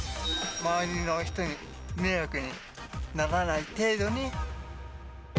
周りの人に迷惑にならない程度に。